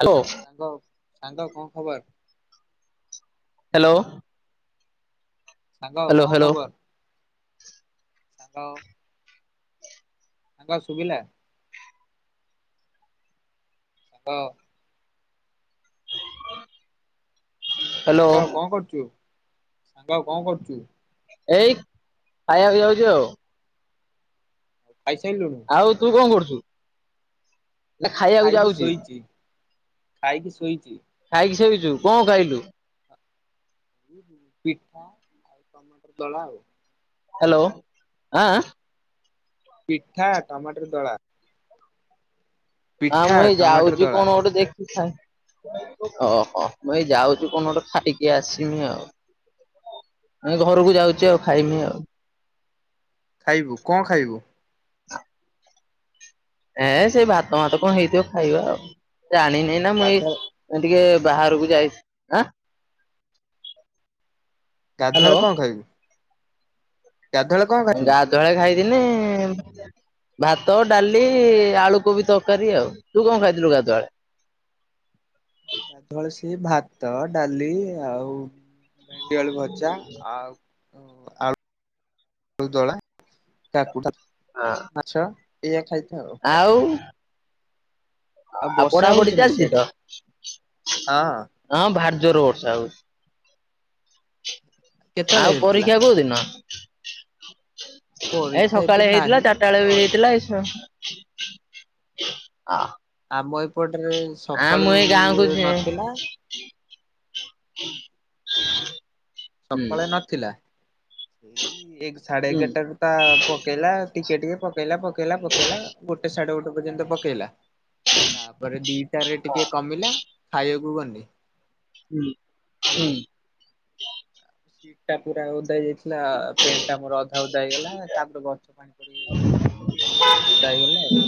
Hello. କହ ସାଙ୍ଗ କଣ ଖବର? ହ୍ୟାଲୋ। ସାଙ୍ଗ କଣ ହ୍ୟାଲୋ ଖବର? ହ୍ୟାଲୋ ହାଲୋ ସାଙ୍ଗ ଶୁଭିଲା? ହଁ। ହ୍ୟାଲୋ ସାଙ୍ଗ କଣ କରୁଛୁ ସାଙ୍ଗ କଣ କରୁଛୁ? ଏଇ ଖାଇବାକୁ ଯାଉଛି ଆଉ। ଖାଇସାରିଲୁଣୁ? ଆଉ ତୁ କଣ କରୁଛୁ? ନା ଖାଇବାକୁ ଖାଇକି ଯାଉଛି ଶୋଇଛି ଖାଇକି ଶୋଇଛି। ଖାଇକି ଶୋଇଛୁ କଣ ଖାଇଲୁ? ପିଠା ଆଉ ଟମାଟର ଦଳା ଆଉ। ହ୍ୟାଲୋ ଆଁ ଆଁ। ପିଠା ଟମାଟର ଦଳା। ହଁ ପିଠା ମୁଁ ଏଇ ଟମାଟର ଯାଉଛି ଦଳା କଣ ଗୋଟେ ଦେଖି ଓହୋ ମୁ ଏଇ ଯାଉଛି କଣ ଗୋଟେ ଖାଇକି ଆସିମି ଆଉ। ଏ ଘରକୁ ଯାଉଛି ଆଉ ଖାଇମି ଆଉ। ଖାଇବୁ କଣ ଖାଇବୁ? [inaudible] ଏଁ ସେଇ ଭାତ ମାତ କଣ ହେଇଥିବ ଖାଇବା ଆଉ ଜାଣିନି ନା ମୁଁ ଏଇ ଗାଧୁଆ ମୁଁ ଟିକେ ବାହାରକୁ ଯାଇଁ ହା। ଗାଧୁଆଳ କଣ ଖାଇବୁ? ଗାଧୂଆ ବେଳେ କଣ ଖାଇଛୁ? ତଳେ ଖାଇଦିନି ଭାତ, ଡାଲି, ଆଳୁ କୋବି ତରକାରୀ ଆଉ ତୁ କଣ ଖାଇଥିଲୁ ଗାଧୁଆଳେ? ଗାଧୁଆ ବେଳେ ସେଇ ଭାତ, ଡାଲି ଆଉ ଭେଣ୍ଡିଆଳୁ ଭଜା ଆଉ। ଓ ଆଳୁ ଆଳୁଦଳା କାକୁ ହଁ। ଆଚ୍ଛା ଏଇଆ ଖାଇଥା ଆଉ। ଆଉ। ଆଉ ବର୍ଷା ପଢାପଢି ହଉଛି ନା ଚାଲିଛି ସିଆଡେ? ତ। ହଁ ହଁ ଭାରି ଜୋରେ ବର୍ଷା ହଉଚି। କେତେବେଳେ ଆଉ ହେଇଥିଲା? ପରୀକ୍ଷା କୋଉ ଦିନ? ଏ ପରୀକ୍ଷା ଏବେ ସକାଳେ ନାହିଁ ହେଇଥିଲା ଚାରିଟା ବେଳେ ବି ସଇ ହେଇଥିଲା। ଏସଂ ଆ ଆମ ଏପଟରେ ଆ ମୁଁ ସକାଳୁ ଏଇ ଗାଁକୁ ଯି ନଥିଲା। ହୁଁ ସକାଳେ ନଥିଲା। ଠିକ୍ ସାଢେ ହୁଁ ଏଗାରଟାରୁ ପା ପକେଇଲା ଟିକେ ଟିକେ ପକେଇଲା ପକେଇଲା ପକେଇଲା ଗୋଟେ ସାଢଡେ ଗୋଟେ ପର୍ଯ୍ୟନ୍ତ ପକେଇଲା। ତା ପରେ ଦିଟାରେ ଟିକେ କମିଲା ଖାଇବାକୁ ଗଲି। ହୁଁ ଉଁ। ସିଟା ପୁରା ଓଦା ହେଇଯାଇଛି। ଥିଲା ପେଣ୍ଟ ଟା ମୋର ଅଧା ଓଦା ହେଇଗଲା। ତା ପରେ ଗଛ ପାଣି ପଡି ପ୍ୟାଣ୍ଟ୍ ସାର୍ଟ ଓଦା ହେଇଗଲା ଆଉ।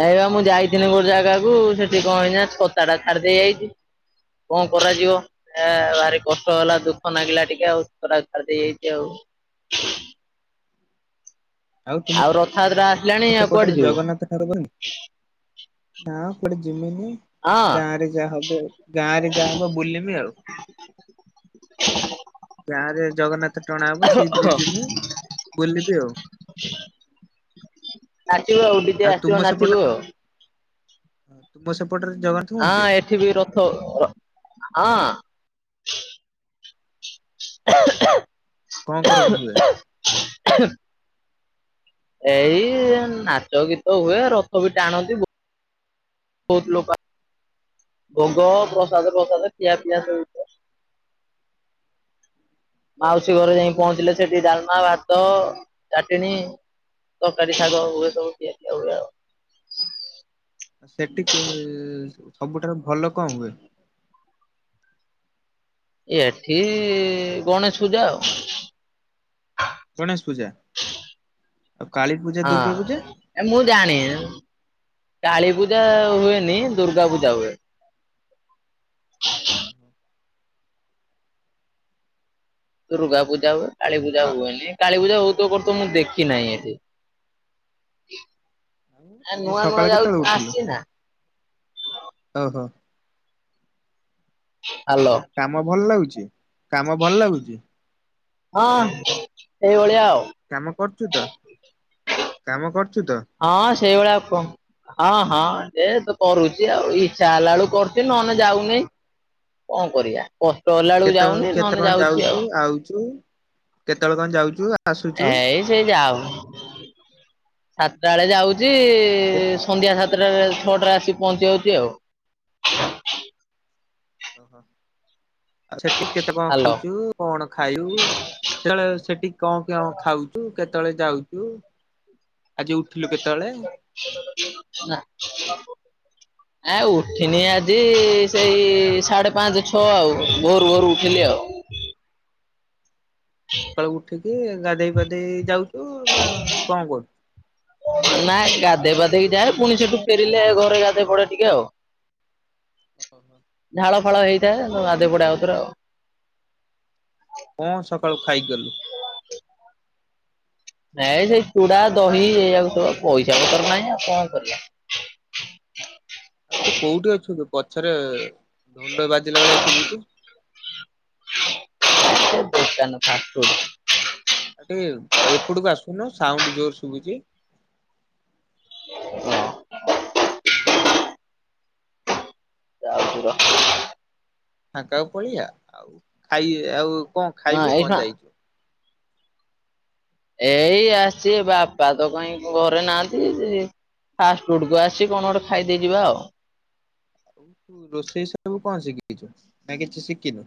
ହେଇ ବା ମୁଁ ଆଉ ଯାଇଥିଲି ତମ ଗୋଟେ ହଁ ଜାଗାକୁ ସେଠି କଣ ହେଇଚି ନା ଛତା ଟା ଛାଡି ଦେଇ ଆଇଛି। କଣ ହଁ କରାଯିବ? ଏ ଭାରି କଷ୍ଟ ହେଲା ଦୁଃଖ ଲାଗିଲା ଟିକେ ଆଉ ଛତା ଟାକୁ ଛାଡ଼ିଦେଇ ଆଇଛି ଆଉ। ଆଉ ରଥଯାତ୍ରା ଆସିଲାଣି ଆଉ କୁଆଡେ ଯିବୁ? [unintelligible] ନାଁ କୁଆଡେ ଜିମିିନି। ଗାଁ ରେ ଯାହା ହବ ଆଉ। ଗାଁ ରେ ଯାହା ହବ ବୁଲବି ଆଉ। ଗାଁ ରେ ଜଗନ୍ନାଥ ଟଣା ହବ ସେଇଥିରେ ଯିମି ବୁଲିବି ଆଉ। ନାଚିବୁ ଆଉ ଡି ଜେ ତୁମ ଆସିବ ସେପଟରେ ନାଚିବୁ ଆଉ। ତୁମ ସେପଟରେ ଜଗନ୍ ହଁ ଏଠି ବି ରଥ ଆଁ। କଣ କଣ ହୁଏ? ଏଇ ନାଚ ଗୀତ ହୁଏ ରଥ ବି ଟାଣନ୍ତି। ବୋ ବହୁତ ଲୋକ ଭୋଗ ପ୍ରସାଦ ଫ୍ରସାଦ ଖିଆ ପିଆ ସବୁ ମାଉସୀ ଘରେ ଯାଇ ପହଞ୍ଚିଲେ ସେଠି ଡାଲମା, ଭାତ, ଚାଟଣୀ ତରକାରୀ ଶାଗ ହୁଏ ସବୁ ଖିଆ ପିଆ ହୁଏ ଆଉ। ସେଠି କେ ସବୁଠାରୁ ଭଲ କଣ ହୁଏ? ଏଠି ଗଣେଶ ପୂଜା ଆଉ। ଗଣେଶ ପୂଜା ଆଉ କାଳୀ ପୂଜା ଦୁର୍ଗା ପୂଜା? ଏ ମୁଁ ଜାଣି କାଳୀପୂଜା ହୁଏନି। ଦୁର୍ଗା ପୂଜା ହୁଏ। ହୁଁ ହୁଁ ଦୁର୍ଗା ପୂଜା ହୁଏ। କାଳୀ ପୂଜା ହୁଏନି କାଳୀ ପୂଜା ହଉଥିବ କରୁଥିବ। ମୁଁ ଦେଖି ନାଇଁ ଏଠି। ଆଉ ଆ ଆଜି ନୂଆ ସକାଳେ ନୂଆ ଯାଉ କେତେବେଳେ ଉଠିଲୁ ଆସିଛି ନା। ଓହୋ। ହାଲୋ। କାମ ଭଲ ଲାଗୁଚି କାମ ଭଲ ଲାଗୁଚି? ହଁ ସେଇ ଭଳିଆ ଆଉ। କାମ କରୁଚୁ ତ କାମ କରୁଚୁ ତ? ହଁ ସେଇ ଭଳିଆ ଆଉ କଁ? ହଁ ହଁ ଏ ତ କରୁଚି ଆଉ ଇଚ୍ଛା ହେଲା ବେଳୁ କରୁଚି ନହେଲେ ଯାଉ ନେଇଁ। କଣ କରିବା କହ? କେତେବେଳେ କେତେ କଣ ଯାଉଚୁ ଆଉଚୁ କେତେବେଳେ କଣ ଯାଉଚୁ? ଏଇ ସେ ଯା ହଉ ସାତଟା ବେଳେ ଯାଉ ଚି। ସନ୍ଧ୍ୟା ସାତଟାରେ ଛଅଟାରେ ଆସିିକି ପହଞ୍ଚିଯାଉଚି ଆଉ। ଓହୋ ଆ ସେଠି କେତେ କଣ ହାଲୋ ଖାଉଚୁ। କଣ ଖାଇଉ? ସେତେବେଳେ ସେଠି କଣ କଣ ଖାଉଚୁ କେତେବେଳେ ଯାଉଚୁ? ଆଜି ଉଠିଲୁ କେତେବେଳେ? ନା। ଆ ଉଠିନି ଆଜି ସେଇ ସାଢ଼େ ପାଞ୍ଚ ଛଅ ଆଉ ଭୋରୁ ଭୋରୁ ଉଠିଲି ଆଉ ସକାଳୁ ଉଠିକି ଗାଧେଇ ପାଧେଇ ଯାଉଛୁ ନା କଣ କରୁଛୁ? ନାଁ ଗାଧୋଇ ପାଧେଇକି ଯାଏ ପୁଣି ସେଠୁ ଫେରିଲେ ଘରେ ଗାଧୋଇ ପଡେ ଟିକେ ଆଉ ଓ ହୋ। ଝାଳ ଫାଳ ହୋଇଥାଏ ଗାଧେଇପଡେ ଆଉଥରେ ଆଉ କଣ ସଖାଳୁ ଖାଇଥିଲୁ? ନାଇଁ ସେଇ ଚୁଡ଼ା ଦହି ଏଇଆକୁ ସବୁ ପଇସା ପତ୍ର ନାହିଁ ଆଉ କଣ କରିବା ଆଉ ତୁ କୋଉଠି ଅଛୁ ତୁ ପଛରେ ଢୋଲ ବାଜିଲା ଭଳିଆ ଶୁଭୁଚି। ବ ା ଆ ଏପଟକୁ ଆସୁନ ସାଉଣ୍ଡ ଜୋର ଶୁଭୁଛି। ହଁ। [inaudible] ଫାଙ୍କାକୁ ପଳେଇଆ ଆଉ ଖାଇ ଆଉ କଣ ହଁ ଖାଇବୁ ଏଇ ଶୁଣ କଣ ଯାଇକି? ଏଇ ଆସି ବାପା ତ କାହିଁ ଘରେ ନାହାନ୍ତି। ଫାଷ୍ଟଫୁଡକୁ ଆସି କଣ ଗୋଟେ ଖାଇଦେଇ ଯିବା ଆଉ ତୁ ରୋଷେଇ ସବୁ କଣ ଶିଖିଛୁ ନା କିଛି ଶିଖିନୁ?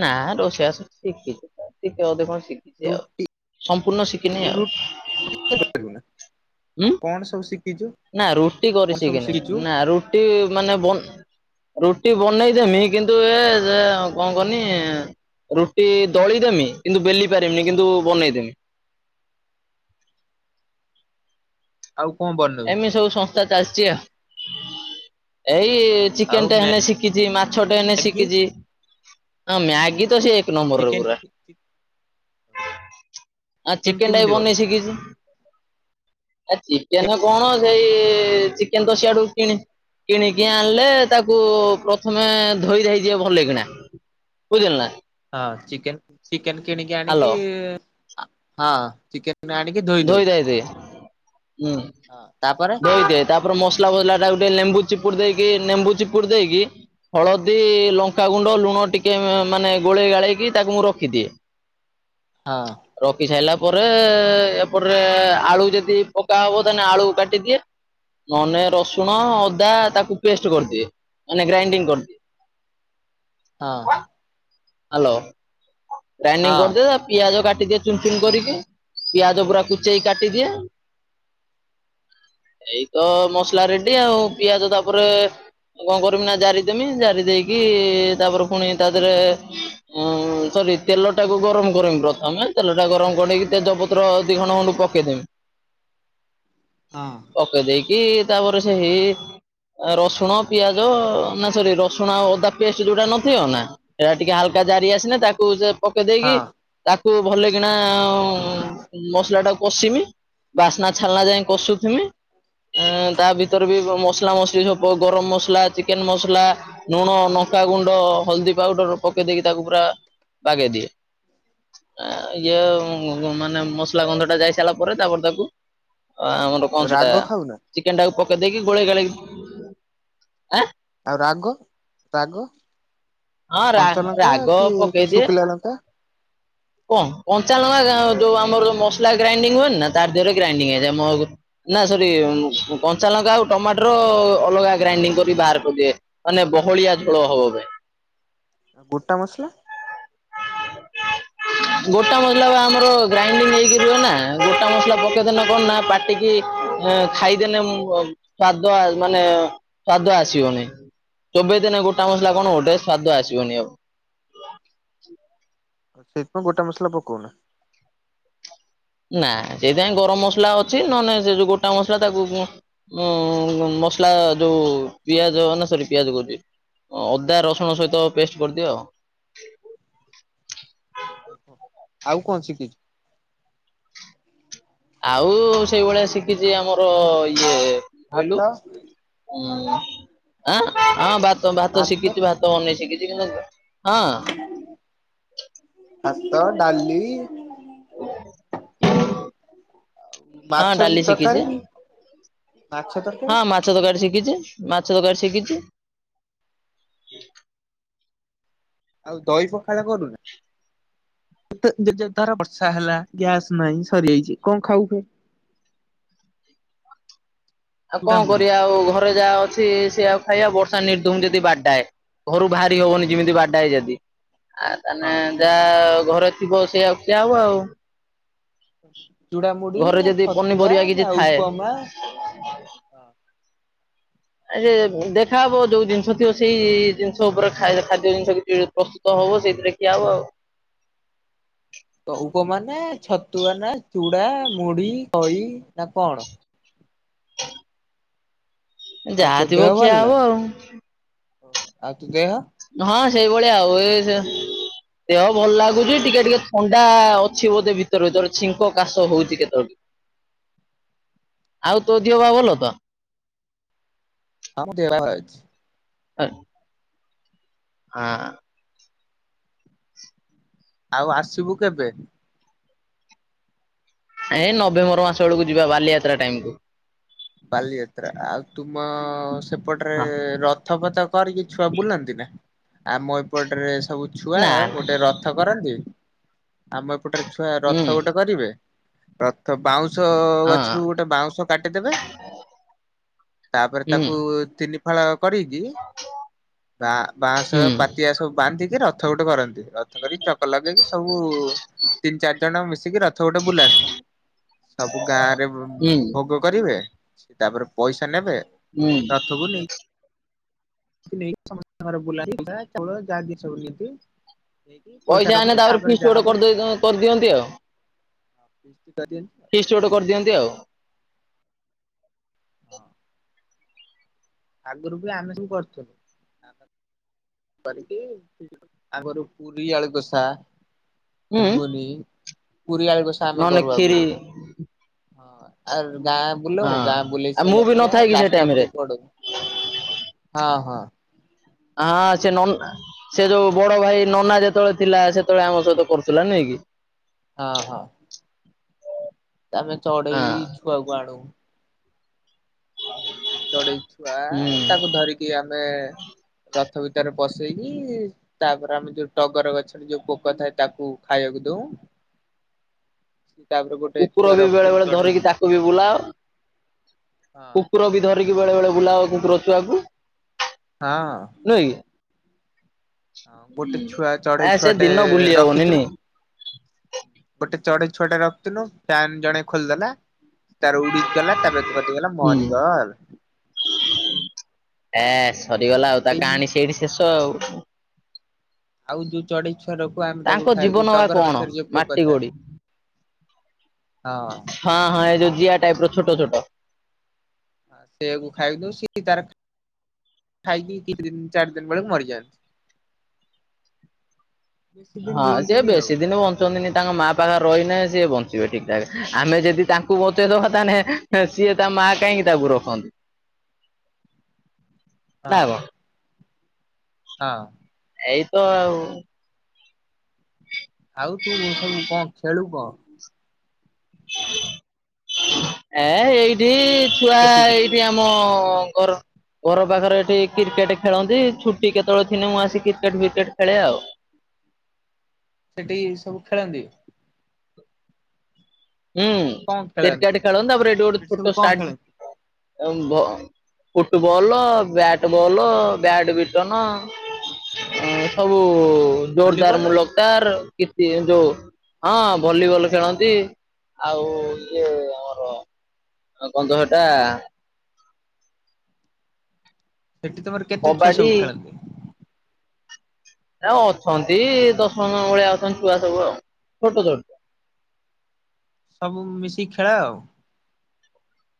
ନା ରୋଷେଇ ବାସ ଶିକିଛି ଟିକେ ଅଧେ କଣ ଶି ଆଉ ରୁଟି ସମ୍ପୂର୍ଣ୍ଣ ଶିଖିନି ଆଉ [inaudible] ହ କଣ ସବୁ ଶିଖିଛୁ ନା ରୁଟି କଣ ସବୁ କରିସିକିନି ଶିଖିଛୁ ନା ରୁଟି ମାନେ ବ ରୁଟି ବନେଇଦେମି କିନ୍ତୁ ଏ କଣ କରନି ରୁଟି ଦଳିଦମି କିନ୍ତୁ ବେଲି ପାରମିନି କିନ୍ତୁ ବନେଇଦେମି। ଆଉ କଣ ବନା ଏମିତି ସବୁ ସଂସ୍ଥା ଚାଲିଛି ଆଉ ଏଇ ଆଉ ଚିକେନଟା ଆସିକ ଶିଖିଛି ମାଛଟେ ଏନେ ମ୍ୟାଗି ଶିଖିଛି ମ୍ୟାଗି ତ ସେ ନଂବରରେ ଚିକେନ ପୁରା ଆ ଚିକେନ ଟା ବି କେମିତି କରୁ? ବନେଇ ଶିଖିଛି ଆ ଚିକେନ କଣ ସେଇ ଚିକେନ ତ୍ ସିଆଡୁ କିଣି କିଣିକି ଆଣିଲେ ତାକୁ ପ୍ରଥମେ ଧୋଇ ଧାଇଯିବ ଭଲ କିଣା। ବୁଝିଲୁନା? ହଁ ଚିକେ ଚିକେନ କିଣିକି ଆଣିକି ହାଲୋ ହଁ ଚିକେନ ଆଣିକି ଧୋଇ ଦଉ ଧୋଇଦାଇ ଦେ ହୁଁ ହଁ ତାପରେ ଧୋଇ ତାପରେ ମସଲା ଫସଲାଟା ଗୋଟେ ଲେମ୍ବୁ ଚିପୁଡ଼ି ଦେଇକି ଲେମ୍ବୁ ଚିପୁଡି ଦେଇକି ହଳଦୀ ଲଙ୍କାଗୁଣ୍ଡ ଲୁଣ ଟିକେ ମାନେ ଗୋଳେଇ ଗାଳେଇକି ତାକୁ ମୁଁ ରଖିଦିଏ। ହଁ ରଖି ସାଇଲା ପରେ [inaudible] ଆଳୁ ଯଦି ପକାହବ ତାଲେ ଆଳୁ କାଟିଦିଏ ନହେଲେ ରସୁଣ ଅଦା ତାକୁ ପେଷ୍ଟ କରିଦିଏ ମାନେ ଗ୍ରାଇଣ୍ଡିଙ୍ଗ କରିଦିଏ। ହଁ। ହାଲୋ ଗ୍ରାଇଣ୍ଡିଂ ହଁ କରିଦିଏ। ପିଆଜ କାଟିଦିଏ ଚୁନ ଚୁନ କରିକି ପିଆଜ ପୁରା କୁଚେଇକି କାଟିଦିଏ ଏଇ ତ ମସଲା ରେଡି ଆଉ ପିଆଜ ତାପରେ ଆଉ କଣ କରମି ନା ଜାରିଦମି ଜାରି ଦେଇକି ତାପରେ ପୁଣି ତା ଦେହରେ ଉଁ [unintelligible] ସରି ତେଲଟାକୁ ଗରମ କରିମି ପ୍ରଥମେ ତେଲଟା ଗରମ କରିକି ତେଜପତ୍ର ଦି ଖଣ୍ଡ ଖଣ୍ଡ ପକେଇଦେବେ। ହଁ। ପକେଇ ଦେଇକି ତାପରେ ସେ ହେଇ ରସୁଣ, ପିଆଜ ନା ସରି ରସୁଣ ଆଉ ଅଦା ପେଷ୍ଟ ଯୋଉଟା ନଥିବ ନା ଏଇଟା ଟିକେ ହାଲକା ଜାରି ଆସିଲେ ତାକୁ ସେ ପକେଇ ଦେଇେକି ହଁ ତାକୁ ଭଲ କିଣା ମସଲା ଟାକୁ କଷିମି। ବାସ୍ନା ଛାଲନା ଯାଇ କଷୁଥିମି। ଆଁ ତା ଭିତରେ ବି ମସଲା ମସଲି ସବୁ ଗରମ ମସଲା ଚିକେନ ମସଲା ଲୁଣ ନଙ୍କା ଗୁଣ୍ଡ ହଳଦୀ ପାଉଡର ପକେଇ ଦେଇକି ତାକୁ ପୁରା ବାଗେଇଦିଏ। ଇଏ ମାନେ ମସଲା ଗନ୍ଧ ଟା ଯାଇ ସାରିଲା ପରେ ତାପରେ ତାକୁ ଆମର କଣ ସେଟା ରାଗ ଖାଉନା ଚିକେନ ଟାକୁ ପକେଇ ଦେଇକି ଗୋଳେଇ ଗୋଳା ଇକି ଆଁ ଆଉ ରାଗ ରାଗ ହଁ ରା କଞ୍ଚାଲଙ୍କା ରାଗ କି ପକେଇଦିଏ। ଶୁଖିଲା ଲଙ୍କା କଣ କଞ୍ଚାଲଙ୍କା ଯୋଉ ଆମର ଯ ମଲା ଗ୍ରାଇଣ୍ଡି ହୁଏନି ନା ତାର ଦେହରେ ଗ୍ରାଇଣ୍ଡିଙ୍ଗ ହେଇଯାଏ ମ ଆ ନା ସରି କଞ୍ଚାଲଙ୍କା ଆଉ ଟମାଟର ଅଲଗା ଗ୍ରାଇଣ୍ଡିଙ୍ଗ କରି ବାହାର କରିଦିଏ। ମାନେ ବହଳିଆ ଝୋଳ ହବ ଭାଇ। ଆଉ ଗୋଟା ମସଲା [inaudible] ଗୋଟା ମସଲା ବା ଆମର ଗ୍ରାଇଣ୍ଡିଂ ହେଇକି ରୁହେ ନା ଗୋଟା ମସଲା ପକ୍ଷେଦ ନା କଣ ନା ପାଟିକି ହଁ ଖାଇଦେଲେ ସ୍ଵାଦ ଆ ମାନେ ସ୍ଵାଦ ଆସିବନି। ଚୋବେଇ ଦିନ ଗୋଟା ମସଲା କଣ ଗୋଟେ ସ୍ଵାଦ ଆସିବନି ଆଉ। ଆଉ ସେଇଥିପଁ ଗୋଟେ ମସଲା ପକଉନ। ନା ସେଇଥିପାଇଁ ଗରମ ମସଲା ଅଛି ନ ନେଲେ ସେ ଯୋଉ ଗୋଟା ମସଲା ତାକୁ ଗୁ ଉଁ ମସଲା ଯୋଉ ପିଆଜ ନା ସରି ପିଆଜ କହୁଛି। ହଁ ଅଦା ରସୁଣ ସହିତ ପେଷ୍ଟ କରିଦିଅ ଆଉ। ଓହ। ଆଉ କଣ ଶିଖିଛି? ଆଉ ସେଇଭଳିଆ ଶିଖିଛି ଆମର ଇଏ ହାତ ତ ହଁଁ ଆଁ ହଁ ଭାତ ଭାତ ଶିଖିଛି ଭାତ ତମ ନେଇ ଶିଖିଛି କିନ୍ତୁ ହଁ। ହାତ, ଡାଲି [unintelligible] ହଁ ମାଛ ଡାଲି ତରକାରୀ ଶିଖିଛି ମାଛ ତରକାରୀ ହଁ ମା ଛ ତରକାରୀ ଶିଖିଛି ମାଛ ତରକାରୀ ଶିଖିଛି। ଆଉ ଦହି ପଖାଳ କରୁନା। ଜେ ଧର ବର୍ଷା ହେଲା ଗ୍ୟାସ ନାଇଁ ସରିଯାଇଛି କଣ ଖାଉ? ଆଉ ଚୁଡା କଣ ମୁଢି କରିବା ଆଉ ଘରେ ଯାହା ଅଛି ସେୟା ଖାଇବା ବର୍ଷା ନିର୍ଦ୍ଧୁମ ଯଦି ବାଡାଏ। ଘରୁ ବାହାରି ହବନି ଯେମିତି ବାଡାଏ ଯଦି। ଆ ତାନେ ହଁ ଯାହା ଘରେ ଥିବ ସେଇଆ କୁ ଖିଆ ହବ ଆଉ। ଚୁଡ଼ାମୁଡି ଘରେ ନା ଯଦି ଛତୁଆ ପନିପରିବା କିଛି ନା ଥାଏ। ଉପମା ଆ ଦେଖା ହବ ଯୋଉ ଜିନିଷ ଥିବ ସେଇ ଜିନିଷ ଉପରେ ଖାଦ୍ୟ ଜିନିଷ କିଛି ପ୍ରସ୍ତୁ ତ ହବ ସେଇଥିରେ ଖିଆ ହବ ଆଉ। ଉପମା ନା ଛତୁଆ ନା ଚୁଡା ମୁଢି ଖଇ ନା କଣ? ଆଉ ତୋ ଯାହା ଥିବ ଦେହ ଭଲ ଖିଆ ନା? ହବ ଆଉ। ଆଉ ତୁ ଦେହ ହଁ ସେଇଭଳିଆ ଆଉ ସେ ଦେହ ଭଲ ଲାଗୁଛି ଟିକେ ଟିକେ ଥଣ୍ଡା ଅଛି ବୋଧେ ଭିତ୍ ତରେ କରେ ଛିଙ୍କ କାଶ ହଉଛି କେତେବେଳେ ଆଉ ତୋ ଦିଅ ପା ଭଲ ତ। ହଁ ମୋ ଦେହ ଭଲ ଅଛି। [unintelligible] ହଁ। ଆଉ ଆସିବୁ କେବେ? ଏ ନଭେମ୍ବର ମାସ ବେଳକୁ ଯିବା ବାଲିଯାତ୍ରା ଟାଇମ କୁ। ବାଲିଯାତ୍ରା ଆଉ ତୁମ ସେପଟରେ ହଁ ର ରଥପଥ କରିକି ଛୁଆ ବୁଲାନ୍ତି ନା ଆଉ ଆମ ଏପଟରେ ସବୁ ଛୁଆ ନା ନା ଗୋଟେ ର ଥ କରନ୍ତି ଆମ ଏପଟରେ ଛୁଆ ହୁଁ ରଥ ଗୋଟେ କରିବେ ରଥ ବାଉଁଶ ହଁ ଗଛରୁ ଗୋଟେ ବାଉଁଶ କାଟିଦେବେ ତାପରେ ହୁଁ ତାକୁ ତିନି ଫାଳ କରିକି ବା ବାଁଶହ ହୁଁ। ପା ତିଆ ସବୁ ବାନ୍ଧିକି ରଥ ଗୋଟେ କରନ୍ତି। ରଥ କରିକି ଚକ ଲଗେଇକି ସବୁ ତିନି ଚାରି ଜଣ ମିଶିକି ରଥ ଗୋଟେ ବୁଲାନ୍ତି। ସବୁ ଗାଁ ରେ ଭୋ ହୁଁ ଭୋଗ କରିବେ ସେ ତାପରେ ପଇସା ନେବେ ହୁଁ ରଥ କୁ ନେଇ କୁ ନେଇ ସମସ୍ତ ଘର ବୁଲାନ୍ତି [unintelligible] ନେଇକି ପଇସା ଆନେ ରଖନ୍ତି ତାପରେ ଫିଷ୍ଟ ଯାହା ଗୋଟେ ହବ କରିଦ କରିଦିଅନ୍ତି ଆଉ [unintelligible] ଫିଷ୍ଟ ଗୋଟେ କରିଦିଅନ୍ତି ଆଉ [inaudible] ଆଗରୁ ବି ଆମେ ସବୁ କରିଛୁ କରି କି ଆଗରୁ ପୁରୀ ଆଳୁ କୋସା ହୁଁ ହବନି ଇ ପୁରୀ ଆଳୁ କସା ନହେଲେ ଖିରି ଆର୍ ଗାଁ ବୁଲଉ ଗାଁ ବୁଲେଇ ଆଉ ମୁଁ ସାରିଲା ବି ପରେ ନଥାଏ କି ସେ ରାସ୍ତା ଟାଇମରେ ଉପରକୁ ପଡେ ହଁ ହଁ ହଁ ସେ ନନା ସେ ଯୋଉ ବଡ ଭାଇ ନନା ଯେତେବେଳେ ଥିଲା ସେତେବେଳେ ଆମ ସହିତ କରୁଥିଲା ନୁହେଁ କି ହଁ ହଁ ତା ଆମେ ଚଢେଇ ହଁ ଛୁଆକୁ ଆଣୁ ଚଢେଇ ଛୁଆ ହୁଁ ତାକୁ ଧରିକି ଆମେ ରଥ ଭିତରେ ପସେଇକି ତାପରେ ଆମେ ଯୋଉ ଟଗର ଗଛରେ ଯୋଉ ପୋକ ଥାଏ ତାକୁ ଖାଇବାକୁ ଦଉ ତାପରେ ଗୋ କୁକୁର ବି ବେଳେ ବେଳେ ଧରିକି ତାକୁ ବି ବୁଲାଅ ହଁ କୁକୁର ବି ଧର ରିକି ବେଳେ ବେଳେ ବୁଲାଅ କୁକୁର ଛୁଆ କୁ ହଁ ଅ ନୁହେଁ ଗୋଟେ କି ଛୁଆ ଚଢେଇ ଆ ସେ ଛୁଆଟେ ଦିନ ବୁଲି ହବନି ରଖିଥିଲୁ ନୁହେଁ ଗୋଟେ ଚଢେଇ ଛୁଆଡେ ରଖଥିଲୁ ଫ୍ୟାନ ଜଣେ ଖୋଲିଦେଲା ତାର ଉଡିକି ଗଲା ତା କଟିଗଲା ହୁଁ। ମରିଗଲା ଏ ସରିଗଲା, ଆଉ ତା ଏଇ କାହାଣୀ ସେଇଠି ଶେଷ ଆଉ। ଆଉ ଯୋଉ ଚଢେଇ ଛୁଆ ରଖିବୁ ଆମେ ତାଙ୍କ ତାକୁ ଜୀବନ ଖାଇଦଉ ବା ଟଗର କଣ? ଗଛରେ ଯୋଉ ମାଟି ପୋକ ଥାଏ। ଗୋଡି ହଁ। ହଁ ହଁ ଏଇ ଯୋଉ ଜିଆ ଟାଇପ୍ ର ଛୋଟ ଛୋଟ। ସେୟାକୁ ଖାଇ ଦଉ, ସିଏ ବି ତାର ଖାଇକି ଦି ଦିନ, କି ଚାରି ଦିନ ବେଳକୁ ମରିଯାନ୍ତି। ହଁ, ସେ ବେଶୀ ଦିନ ବଞ୍ଚ ଛନ୍ତି ତାଙ୍କ ମା ପାଖରେ ରହିଲେ ହିଁ ସିଏ ବଞ୍ଚିବେ ଠିକ୍ ଠାକ, ଆମେ ଯଦି ତାଙ୍କୁ ବଞ୍ଚେଇଦବା ତାହେଲେ ସିଏ ତା, ମା କାହିଁକି ତାକୁ ରଖନ୍ତି। ହଁ ନାଁ କଣ? ହଁ। ଏଇତ ଆଉ। ଆଉ ତୁ ସବୁ କଣ ଖେଳୁ କଣ? ଏ ଏଇଠି ଛୁଆ ବସିକି ଏଇ ଆମ ଘର ଘର ପାଖରେ ଏଠି କ୍ରିକେଟ ଖେଳନ୍ତି, ଛୁଟି କେତେବେଳେ ଥିଲେ ମୁଁ ଆସି କ୍ରିକେଟ ଫ୍ରିକେଟ ଖେଳେ ଆଉ ସେଠି ସବୁ ଖେଳନ୍ତି? ହୁଁ ସେଠି ସବୁ କଣ ଖେଳନ୍ତି କ୍ରିକେଟ୍ ଖେଳନ୍ତୁ ତାପରେ ଏଠି ଗୋଟେ ସେଠି ସବୁ ଛୋଟ କଣ ଖେଳନ୍ତି ଷ୍ଟାଡିୟମ୍ ହବ। ଫୁଟବଲ ବ୍ୟାଟବଲ୍ ବ୍ୟାଟମିଣ୍ଟନ୍ ଅ ସବୁ ଜୋରଦାର ଭଲିବଲ ମୁୂଲକ ତାର, କିଛି ଯୋଉ ହଁ ଭଲିବଲ୍ ଖେଳନ୍ତି। ଆଉ ଇଏ ଆମର ଗନ୍ଧଟା ସେଠି ତମର କେତେ ଛୁଆ ସବୁ କବାଡି ଖେଳନ୍ତି? ଏରା ଅଛନ୍ତି, ଦଶ ପନ୍ଦର ଜଣ ଭଳିଆ ଅଛନ୍ତି ଛୁଆ ସବୁ ଆଉ। ଛୋଟ ଛୋଟ। ସବୁ ମିଶିକି ଖେଳା ଆଉ।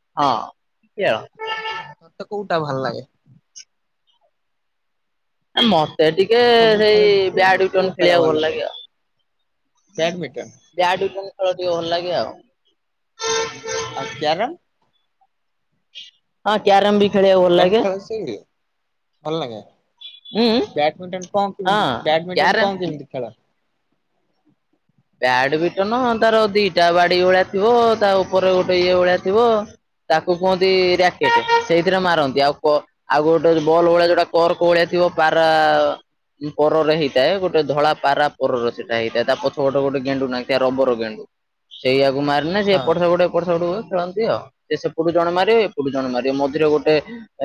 ହଁ। [unintelligible] ତତେ କୋଉଟା ଭଲ ଲାଗେ? ଏ ମତେ ଟିକେ ସବୁ ଖେଳ ସେଇ ଭିତରୁ ବ୍ୟାଡମିଣ୍ଟନ କୋଉ ଖେଳିବାକୁ ଭଲ ଲାଗେ ଆଉ। ବ୍ୟାଡ଼ମିଟନ୍। ବ୍ୟାଡମିଣ୍ଟନ ଖେଳ ଟିକେ ଭଲ ଲାଗେ ଆଉ। ଆଉ କ୍ୟାରମ୍? ହଁ କ୍ୟାରମ୍ ବି ଖେଳିବାକୁ ଭଲ କ୍ୟାରମ ଲାଗେ। ଖେଳ ସେ ଭଲ ଲାଗେ ଉଁ ବ୍ୟାଡମିଟନ୍ କଣ ହଁ କେମିତି ବ୍ୟାଡମିଟନ୍ କ୍ୟାରମ କଣ କେମିତି ଖେଳ? ବ୍ୟାଡମିଟନ୍ ତାର ଦିଟା ବାଡି ଭଳିଆ ଥିବ ତା ଉପରେ ଗୋଟେ ଇଏ ଭଳିଆ ଥିବ। ତାକୁ କୁହନ୍ତି ରାକେଟ୍। ସେଇଥିରେ ମାରନ୍ତି। ଆଉ କ ଆଉ ଗୋଟେ ଯୋଉ ବଲ୍ ଭଳିଆ ଯୋଉଟା ତୋର କୋଉଭଳିଆ ଥିବ ପାରା ପରରେ ହେଇଥାଏ, ଗୋଟେ ଧଳା ପାରା ପରରେ ସେଇଟା ହେଇଥାଏ। ତା ପ [unintelligible] ଗୋଟେ ଗେଣ୍ଡୁ ନାଖିଆ ଆର ରବର ଗେଣ୍ଡୁ। ସେଇୟାକୁ ମାରିନେ ସେ ହଁ ଏପଟ ସେପଟ ଏପଟ ସେପଟ ହୁଏ ଖେଳ ସେ ସେପଟୁ ଜଣେ ମାରିବ ଏପଟୁ ଜଣେ ମାରିବ ମଝିରେ ଗୋଟେ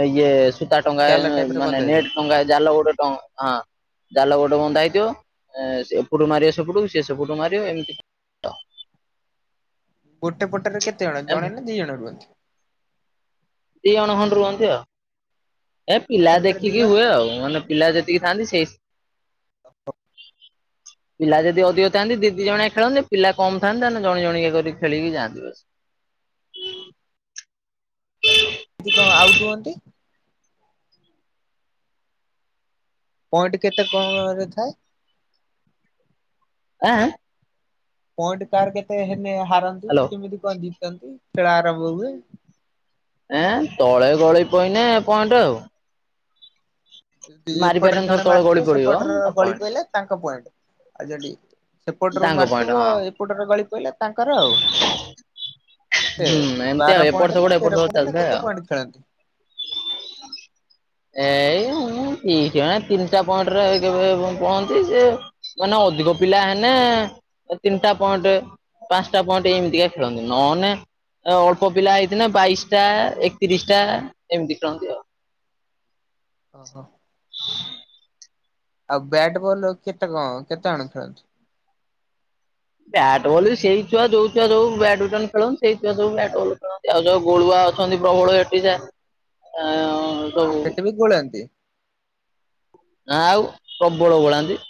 ଇଏ ସୂତା ଟଙ୍ଗାଏ ଜାଲ ଟାଇପ ର ମାନେ ବନ୍ଧାଯାଏ ନେଟ୍ ଟଙ୍ଗାଏ ଜାଲ ଗୋଟେ ଟ ହଁ ଜାଲ ଗୋଟେ ବନ୍ଧା ହେଇଥିବ। ହଁ। ଏ ସେପଟୁ ମାରିବେ ସେପଟୁକୁ ସେ ସେପୁଟୁ ମାରିବେ ଏମିତି ଗୋଟେ ପଟରେ କେତେ ଜଣ ଜଣେ ନା ଦି ଜଣ ରୁହନ୍ତି? ଦି ଜଣ ଖଣ୍ଡେ ରୁହନ୍ତି ଆଉ। ଏ ପିଲା ଗୋଟେ ପଟରେ ଦି ଦେଖିକି ଜଣ ହୁଏ ଆଉ। ମାନେ ପିଲା ଯେତିକି ଥାଆନ୍ତି ସେଇ ପିଲା ଯଦି ଅଧିକ ଥାନ୍ତି ଦି ଦି ଜଣିଆ ଖେଳନ୍ତି। ପିଲା କମ୍ ଥାନ୍ତି ତାହେଲେ ଜଣେ ଜଣିକିଆ କରିି ଖେିଳିକି ଯାଆନ୍ତି। ଯେତିକ ଆଉଟ୍ ହୁଅନ୍ତି ପଏଣ୍ଟ କେତେ କଣ ରେ ଥାଏ? ଆଁ ଆଁ ପଏଣ୍ଟ କାର କେତେ ହେନେ ହାରନ୍ତି ହାଲୋ କେମିତି କଣ ଜିତନ୍ତି ଖେଳ ଆରମ୍ଭ ହୁଏ। ଏଁ ତଳେ ଗଳି ପଇନେ ଏ ପଏଣ୍ଟ ଆଉ ଇଏ ଏପଟରେ ମାରିପାରିବନି ଥର ଜଣେ ତଳେ ଗଳି ମାରିଥିବ ପଡିବ ସେପଟର ତା ଗଳି ପଏଣ୍ଟ। ପଇଲା। ତାଙ୍କ ପଏଣ୍ଟ ଆଉ ଯଡି ସେପଟରୁ ତାଙ୍କ ପଏଣ୍ଟ ମାରିଥିବ ହଁ ଏପଟରେ ଗଳି ପଇଲା କେତେ ହୁଁ ଏମତି ବାର ଆଉ ପଏଣ୍ଟ ଏପଟ ନା ସେପଟ ତେର ଏପଟ ସେପଟ ପଏଣ୍ଟ ନା ଚାଲି ଥାଏ। କେତେ ପଏଣ୍ଟ ଖେଳନ୍ତି? ଏଇ ଉଁ ଦି ଜଣ ତିନିଟା ପଏଣ୍ଟରେ କେବେ ପଅନ୍ତି ସେ ମାନେ ଅଧିକ ପିଲା ହେନେ ତିନିଟା ପଏଣ୍ଟ। ପାଞ୍ଚଟା ପଏଣ୍ଟ ଏମିତିକା ଖେଳନ୍ତି ନ ହେନେ ଏ ଅଳ୍ପ ପିଲା ହେଇଥିନେ ବାଇଶି ଟା ଏକତିରିଶ ଟା ଏମିତି ଖେଳନ୍ତି ଆଉ। ଓହୋ। ଆଉ ବ୍ୟାଟ୍ ବଲ ରେ କେତେ କଣ କେତେ ଜଣ ଖେଳନ୍ତି? ବ୍ୟାଟ ବଲ୍ ବି ସେଇ ଛୁଆ ଯଉ ଛୁଆ ଯଉ ବାଡମିଣ୍ଟନ ଖେଳନ୍ତି ସେଇଛୁଆ ଯୋଉ ବ୍ୟାଟ ବଲ୍ ଖେଳନ୍ତି। ଆଉ ଯୋଉ ଗୋଳୁଆ ଅଛନ୍ତି ପ୍ରବଳ ଏଠି ଯେ ଆଁ ଆ ସବୁ ସେଠି ବି ଗୋଳାନ୍ତି। ନା ଆଉ ପ୍ରବଳ ଗୋଳାନ୍ତି।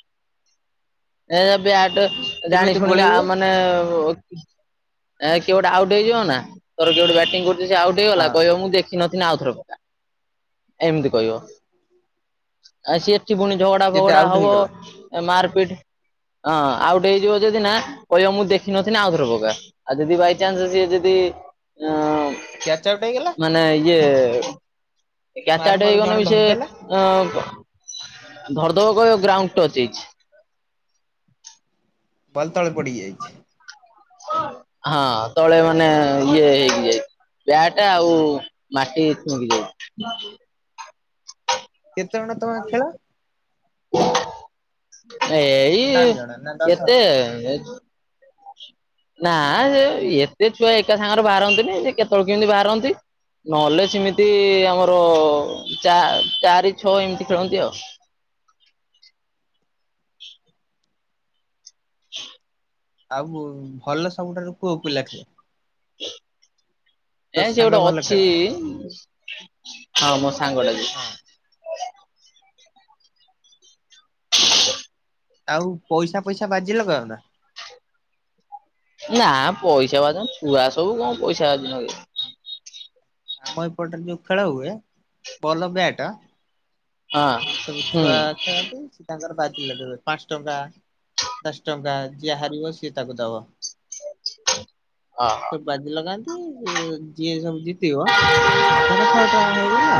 ଏ ବ୍ୟଟ ଜାଣି କେମିତି ଶୁଣି ଆ ଗୋଳେଇବେ ମାନେ ନେ ଏ କିଏ ଗୋଟେ ଆଉଟ ହେଇଯିବ ନା ଧର କିଏ ଗୋଟେ ବ୍ୟାଟିଂ କରୁଚିସେ ଆଉଟ୍ ହେଇ ଗଲା ହଁ କହିବ ମୁଁ ଦେଖ ଖୀ ନଥିଲେ ଆଉଥର ପକା ଏମିତି କହିବ ଆଉ ସିଏ କିଛି ପୁଣି ଝଗଡ଼ା ଯଦି ଫଝଗଡ଼ା ଆଉଟ୍ ହେଇଗଲା ହେବ ମାରପିଟ ହଁ ଆଉଟ ହେଇଯିବ ଯଦି ନା କହିବ ମୁଁ ଦେଖିନ ଥିନି ଆଉଥର ପକା। ଆଉ ଯଦି ବାଇଚାନ୍ସ ଯଦି ଯଦି ଅ କ୍ୟାଚ ଆଉଟ୍ ହେଇଗଲା। ମାନେ ଇଏ କ୍ୟାଚ ମାରୁ ଆଉଟ ମାରୁ ହେଇଗଲେ ଜଣେ ବି ସେ ଧରିଦେଲା ଅ ଧରଦବ କହିବ ଗ୍ରାଉଣ୍ଡ ଟଚ ହେଇଚି। ବଲ ତଳେ ପଡ଼ି ଯାଇଚି। ହଁ ତଳେ ମାନେ ଇଏ ହେଇଚି। ବ୍ୟାଟେ ଆଉ ମାଟି ଛୁଇଁ କି ଯାଇଚି। କେତେ ଜଣ ତମେ ଖେଳ? ଏଇ ସାତ ଆଠ ଜଣ ନା ଦଶ କେତେ ଜଣ ନା ସେ ଏତେ ଛୁଆ ଏକା ସାଙ୍ଗରେ ବାହାରନ୍ତିନି ସେ କେତଏଳେ କୀନ୍ତି ବାହାରନ୍ତି। ନହେଲେ ସେମିତି ଆମର ଚା ଚାରି ଛଅ ଏମିତି ଖେଳନ୍ତି ଆଉ। [inaudible] [inaudible] ଆଉ ଭଲ ସବୁଠାରୁ କୋଉ [unintelligible] ତୋ [inaudible] ଏ ସେ ସାଙ୍ଗ ଗୋଟେ ଭଲ ଅଛି ଖେଳେ ହଁ ମୋ ସାଙ୍ଗଟେ। ହଁ। [inaudible] ଆଉ ପଇସା ପଇସା ବାଜି ଲଗାଅ ନା? ନା ପଇସା ବାଜି ନା ଛୁଆ ସବୁ କଣ ପଇସା ବାଜି [unintelligible] ଆମ ଏପଟରେ ଯୋଉ ଖେଳ ହୁଏ ଭଲ ବ୍ୟାଟ ସେ ସବୁ ହୁଁ ଛୁଆ ଖେଳନ୍ତି, ସେ ତାଙ୍କର ବାଜି ଲଗେଇବା ପାଞ୍ଚ ଟଙ୍କା ଦଶ ଟଙ୍କା ଯିଏ ହାରିବ ସିଏ ତାକୁ ଦବ। ଏ ଓହୋ ସବୁ ବାଜି ଲଗାନ୍ତି ଯିଏ ସମତି ଇବ ଧର ସହେ ଟଙ୍କା ହେଇଗଲା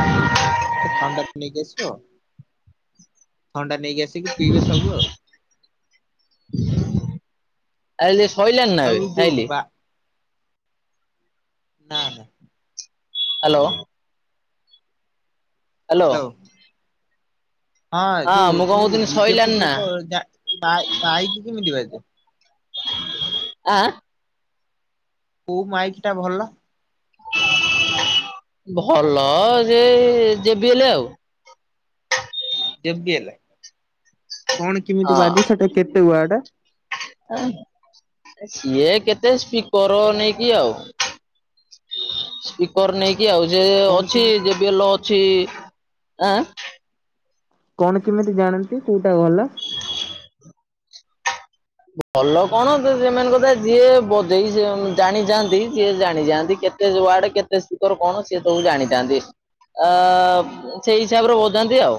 ଗୋଟେ ଥଣ୍ଡା ଟେ ନେଇକି ଆସି ଥଣ୍ଡା ନେଇକି ଆସିକି ପିଇବେ ସବୁ ଆଉ। [inaudible] ଆଇଲେ [unintelligible] ଆଉ ଯଉ ବା ହ୍ୟାଲୋ। ହ୍ୟାଲୋ। ହଁ ଯୋଉ ମୁଁ କଣ ତୁ କହୁଥିଲି ଡିଜେ ସଇଲାଣି ଫିଜେ ନା [unintelligible] ପାଇଚୁ ଆ କୋଉ ମାଇକ୍ ଟା ଭଲ? ଭଲ ଯେ ଜିବିଏଲ ଆଉ। ଯେ ପି ଲ୍ କଣ କେମିତି ବାଜେ, ହଁ ସେଟା କେତେ ୱାଟ? ସିଏ କେତେ ସ୍ପିକର ନେଇକି ଆଉ। ସ୍ପିକର ନେଇକି ଆଉ ସେ କଣ ଅଛି କେମିତି ଯେ ବଲ ଅଛି। ଆ ଆ କଣ କେମିତି ଜାଣନ୍ତି କୋଉଟା ଗଲା? [inaudible] ଭଲ କଣ ତ ସେମାନେ କଥା ଯିଏ ବଜେଇ ଜାଣିଯାଆନ୍ତି ଯିଏ ଜାଣିଯାଆନ୍ତି କେତେ କେ ୱାର୍ଡ କେତେ ସ୍ର କଣ ସି ସବୁ ଜାଣିଥାନ୍ତି। ଅ ସେଇ ହିସାବରେ ବଝାନ୍ତି ଆଉ।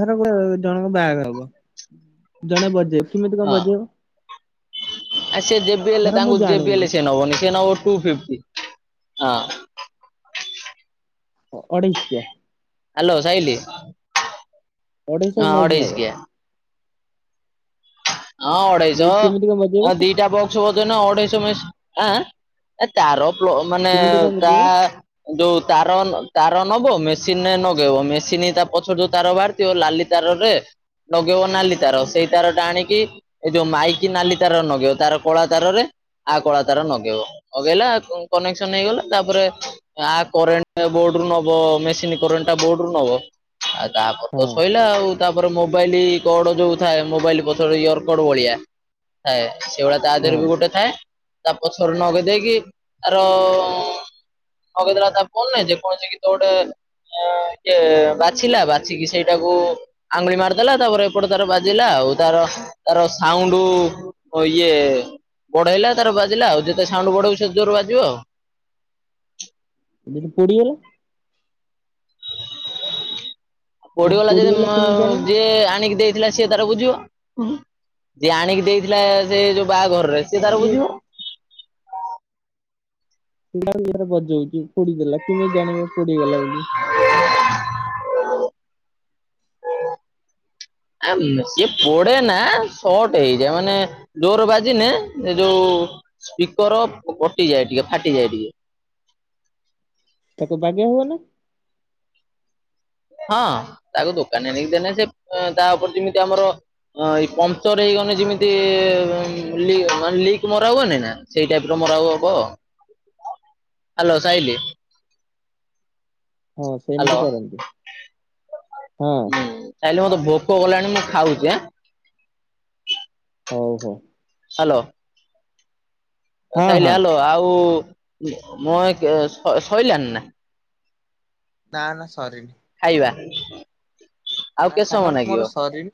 ଧର ଗୋଟେ ଜଣଙ୍କ ବାହାଘର ହବ, ଜଣେ ବଜେଇବ କେମିତି କଣ ହଁ ବଜେଇବ? ଆ ସେ ଜ ବିି ଲ ଧର ମୁଁ ତାଙ୍କୁ ଜବି ଜାଣିନି ଲ ସଏ ନବନି, ସିଏ ନବ ଟୁ ଫ୍ ଟି ହଁ। ଅଢେଇଶିକି ଆ। ହ୍ୟାଲୋ ସାହିଲି। ଓଢେଇଶହ ନେଇକି ନେବ। ହଁ ନେଇକି କେମିତି କଣ ବଜେଇବ ଅଢେଇଶହ ଦିଟା ବକ୍ସ ବଜ ନା ଅଢେଇଶହ ମ ଆ ଆ। ଏ ତାର [unintelligible] ମାନେ କେମିତି କଣ ତା ବଜେଇବ ଯୋଉ ତାର ତାର ନବ ମେସିନରେ ନଗେଇବ ମେସିନ ତା ପଛରେ ଯୋଉ ତାରବାରିଛି ଯୋଊ ଲାଲି ତାରରେ ଲଗେଇବ ନାଲି ତାର ସେଇ ତାର ଟା ଆଣିକି ଏଇ ଯୋଉ ମାଇକି ନାଲି ତାର ନଗେଇବ ତାର କଳା ତାରରେ ଆ କଳା ତାର ନଗେଇବ। ଅଗେଇଲା କନେକ୍ସନ ହେଇଗଲା ତାପରେ ଆ କରେଣ୍ଟ ବୋର୍ଡ ରୁ ନବ ମେସିନ କରେଣ୍ଟ ବୋର୍ଡ ରୁ ନବ। ଆଉ ତାପରେ ହଁ ତ ଶଇଲା ଆଉ ତାପରେ ମୋବାଇଲ କଡ ଯୋଉ ଥାଏ ମୋବାଇଲ ପଛ ଇୟର କଡ ଭଳିଆ ଥାଏ ସେଇଭଳିଆ ତା ହଁ ଦେହରେ ବି ଗୋଟେ ଥାଏ। ତା ପଛର ନଗେଇ ଦେଇେଇକି ତାର ନଦେଇ ଦେଲା ତା ଫୋନ ର ଯେ କୌଣସି ଗୀତ ଗୋଟେ ବାଛିଲା ବାଛିକି ସେଇଟାକୁ ଆଙ୍ଗୁଳି ମାରିଦେଲା ତାପରେ ଏପଟେ ତାର ବାଜିଲା ଆଉ ତାର ତାର ସାଉଣ୍ଡ ଇଏ ବଢ଼େଇଲା ତାର ବାଜିଲା ଆଉ ଯେତେ ସାଉଣ୍ଡ ବଢେଇିବ ସେତେ ଜୋର ବାଜିବ ଆଉ। [unintelligible] ପଡିଗଲା। ପଡିଗଲା ଯଦି ପୋଡିଗଲା କେମିତି ଜାଣିବୁ ଯିଏ ଆଣିକି ଦେଇ ଥିଲା ସି ତାର ବୁଝିବ ଯିଏ ଆଣିକି ଦେଇଥିଲା ସେ ଯୋଉ ବାହାଘରରେ ସିଏ ତାର ବୁଝିବ। [unintelligible] କେମିତି ଜାଣିବ ପୋଡିଗଲା ବୋଲି? ଆ ସଏ ପଡେ ନା ସଟ ହେଇଯାଏ ମାନେ ଜୋର ବାଜିିନେ ଏ ଯୋଉ ସ୍ପିକର କଟିଯାଏ ଟିକେ ଫାଟିଯାଏ ଟିକେ। ତାକୁ ବାଗ୍ଇ ହୁଅ ନା। ହଁ ତାକୁ ଦୋକାନୀ ନେଇକି ଦେଲେ ସେ ତା ଉପରେ ଯେମିତି ଆମର ହଁ ଏଇ ପମ୍ଚର ହେଇଗଲେ ଯେମିତି ଲିକ ମରା ହୁଏନି ନା? ସେଇ ଟାଇପ ର ମୋର ଆଉ ହବ। [inaudible] ହ୍ୟାଲୋ ସାହିଲି। ହଁ ହ୍ୟାଲୋ ସେମିତି କରନ୍ତି ହଁ। ହଁ ସାହାଣୀ ମତେ ଭୋକ ଗଲାଣି ମୁଁ ଖାଉଛି ଆ। ହଉ ହଉ। ହ୍ୟାଲୋ। ହଁ ସାଇଲି ହଁ ହଲୋ ଆଉ ମ ସରିଲଣି ନା। ନା ନା ସରିନି। ଖାଇବା। ଆଉ କେତେ ସାଙ୍ଗ ସମୟ ମୋର ଲାଗିବ? ସରିଛି।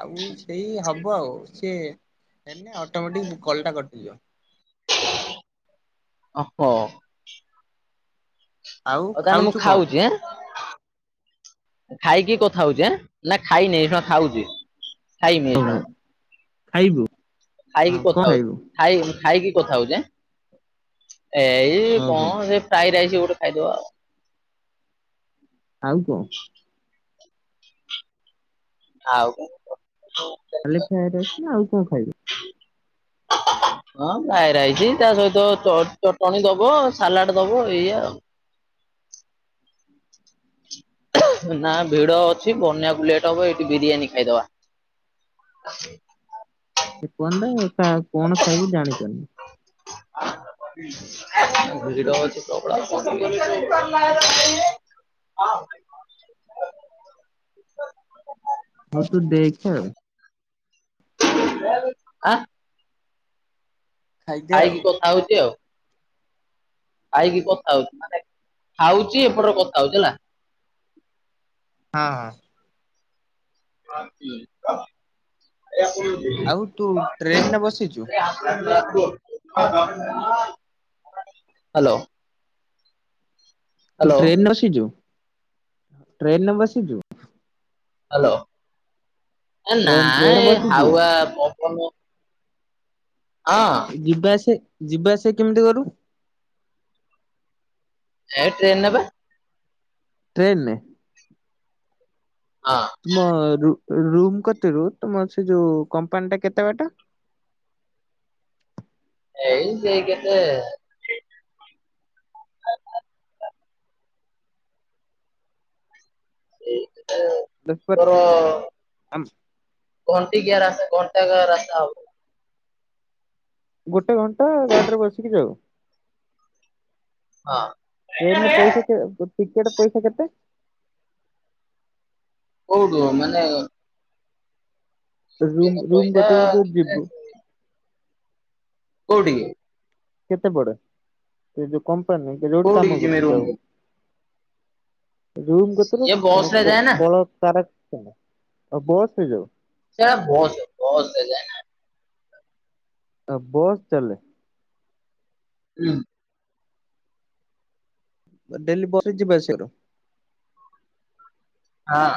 ଆଉ ସେଇ ହବ ଆଉ ସି ହେନ ଅଟୋମେଟିକ କଲ ଟା କଟିଯିବ। ଓହୋ। ଆଉ ହଉ ତାହେଲେ ମୁଁ ଖାଉଛୁ କଣ? ଖାଉଛି ହେଁ। ଖାଇକି କଥା ହଉଛି ନା ଖାଇନି ଶୁଣ ଖାଉଛି ଖାଇନି। ହଉ ହଉ ଖାଇବୁ। ହଁ ଖାଇକି କଣ କଥା ହଉଛି ଖାଇବୁ? ଖାଇ ଖାଇକି କଥା ହଉଛ ଆଁ ଏ ଏଇ ହଉ ହଉ କଣ ସେ ଫ୍ରା ରାଇସ୍ ଗୋଟେ ଖାଇଦବ ଆଉ। ଆଉ କହ। ଆଉ [unintelligible] ଖାଲି [unintelligible] ନା ଆଉ କଣ ଖାଇବ? [unintelligible] ହଁ ଫ୍ଲାଏ ରାଇସି ତା ସହିତ ଚଟଣିୀ ଦବ ସାଲାଡ ଦବ ଏଇ ଆଉ। ନା ଭିଡ ଅଛି ବନ୍ୟାକୁ ଲେଟ ହବ ଏଇଠି ବିରିୟାନୀ ଖାଇଦବା। କୁହନ୍ତା କଣ ଖାଇବି ଜାଣି ପାରୁନି। [unintelligible] ହଉ ତୁ ଦେଖେ ଆଉ। ଆଁ ଖାଇଦେ ଆଉ ଖାଇକି କଥା ହଉଛି ଆଉ। ଖାଇକି କଥା ହଉଛି, ମାନେ ଖାଉଛି ଏପଟରେ କଥା ହଉଛି ହେଲା। ହଁ ହଁ। [unintelligible] ଆଉ ତୁ ଟ୍ରେନରେ ବସିଛୁ? ହ୍ୟାଲୋ। ତୁ ଟ୍ରେନ ରେ ନସିି ଯୁ ଟ୍ରେନ ରେ ବସିଚୁ? ହ୍ୟାଲୋ, ଏ ନା ଟ୍ରେନ ଟ୍ରେନରେ ଏ ବସିଛୁ? ହାୱା ପବନ ହଁ। ଯିବା ଆସିବା କେମିତି କରୁ? ଏ ଟ୍ରେନେ ପା। ଟ୍ରେନ ନେ ହଁ। ତୁମ ରୁ ରୁମ କତୁରୁ ତୁମ ସେ ଯୋଉ କମ୍ପାନୀ ଟା କେତେ ବାଟ? ଏଇ ସେଇ କେତେ ଏଇ କେତେ ବେପାର ସତର ଆମ ଘଣ୍ଟଟିଆ ରାସ୍ ଘଣ୍ଟା କା ରାସ୍ତା ହୋଉଛି। ଗୋଟେ ଘଣ୍ଟା ଗାଡିରେ ବସିକି ଯାଉ। ହଁ। ଟ୍ରେନରେ ପଇସା କେ ଟିକେଟ ପଇସା କେତେ? କୋଉଠୁ ମାନେ ରୁମ୍ ରୁମ୍ ପଇସା କତୁରୁ ଯୋଉ ଯିବୁ। କୋଉଠିକି? କେତେ ପଡେ, ସେ ଯୋଉ କମ୍ପାନୀ ଯୋଉଠି କୋଉଠିକି କାମ ଯିମି କରୁ ଯାଉ? ରୁମକୁ ରୁମ କତୁରୁ ଇଏ ବସରେ ଯାଏ ନା। କଳ କାରା ଖାନା, ଆଉ ବସ୍ ରେ ଯାଉ। ସେ ପା ବସ୍, ବସ୍ ରେ ଯାଏନା। ଆ ବସ୍ ଚାଲେ। ହୁଁ। ଡେଲି ବସ ରେ ଯିବା ଆସିବା କର। ହଁ।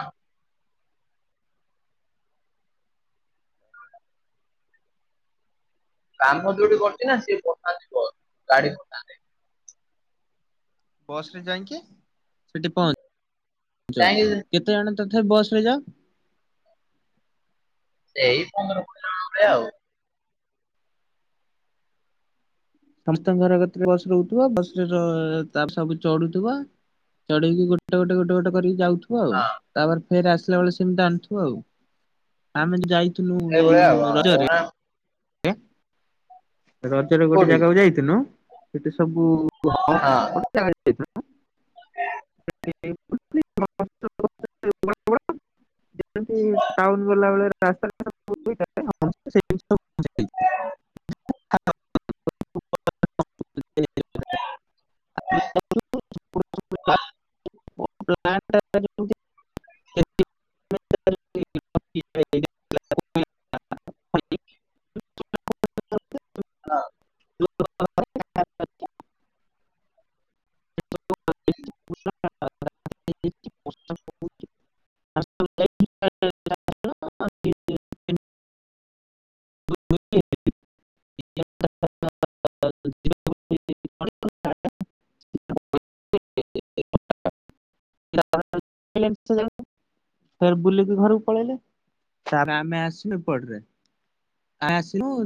କାମ ଯୋଉଠି କରିଛି ନା ସିଏ ପଠାନ୍ତି ବସ ଗାଡି ପଠାନ୍ତି। ବସରେ ଯାଇକି ସେଠି ପହ ଞ୍ଚୁଚ, ଯାଇକି କେତେ ଜଣ ତଥାପି ବସ ରେ ଯାଅ? ଏଇ ପନ୍ଦର କୋଡ଼ିଏ ଜଣ ଭଳିଆ ଉ। ସମସ୍ତଙ୍କ ଘର କତିରେ ବସ ରହୁଥିବ, ବସ ରେ ତା ସବୁ ଚଢୁଥିବ। ଚଢିକି ଗୋଟେ, ଗୋଟେ, ଗୋଟେ, ଗୋଟ କରିକି ଯାଉ ଥିବ, ଆଉ ତାପରେ ଫେର ଆସିଲା ବେଳେ ସେମିତି ଆଣିଥିବ ଆଉ। ଆମେ ଯୋଉ ଯାଇଥିନୁ ଏଇ ସେଇଭଳିଆ ଆଉ ହଁ ରଜରେ ଏଇଭଳିଆ ରେ ରଜରେ ଗୋଟେ କୋଉଠି ଜାଗାକୁ ଯାଇଥିନୁ ସେଠି ସବୁ [unintelligible] ହଁ। [unintelligible] ଯେମତି ଟାଉନ ଗଲାବେଳେ ରାସ୍ତା [unintelligible] [unintelligible] [unintelligible] [unintelligible] ହଁ। [unintelligible] ହୁଁ। [inaudible] [inaudible] [inaudible] [inaudible] [inaudible] ଫେର୍ ବୁଲିକି ଘରକୁ ପଳେଇଲେ, ତା ପରେ ଆମେ ଆସିଲୁ ଏପଟରେ। ଆମେ ଆସିଲୁ।